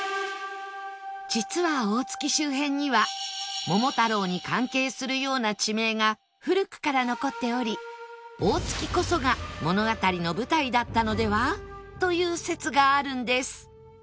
実は大月周辺には桃太郎に関係するような地名が古くから残っており大月こそが物語の舞台だったのでは？という説があるんです